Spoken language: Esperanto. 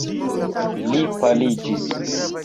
Li paliĝis.